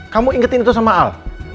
kamu ingetin itu sama al